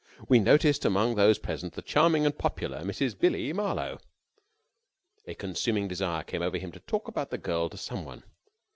"We noticed among those present the charming and popular Mrs. 'Billie' Marlowe." A consuming desire came over him to talk about the girl to someone.